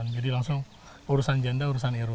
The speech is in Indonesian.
jadi langsung urusan janda urusan irul